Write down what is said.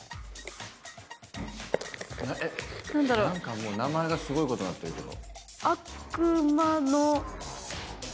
えっ⁉何かもう名前がすごいことになってるけど。